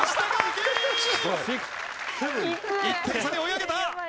１点差に追い上げた！